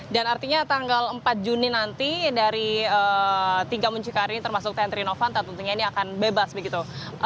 dan artinya tanggal empat juni nanti dari tiga muncikari ini termasuk tentri novanta tentunya ini akan bebas begitu